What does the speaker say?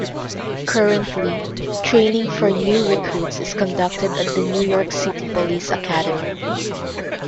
Currently, training for new recruits is conducted at the New York City Police Academy.